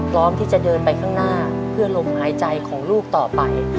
พร้อมที่จะเดินไปข้างหน้าเพื่อลมหายใจของลูกต่อไป